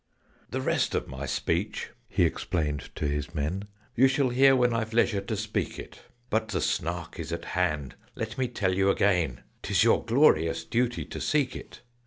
"The rest of my speech" (he explained to his men) "You shall hear when I've leisure to speak it. But the Snark is at hand, let me tell you again! 'Tis your glorious duty to seek it!